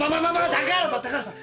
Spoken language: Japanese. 高原さん高原さん！